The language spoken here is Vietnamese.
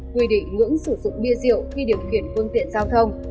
bia rượu khi điều khiển phương tiện giao thông